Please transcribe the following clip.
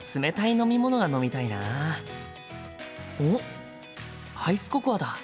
おっアイスココアだ。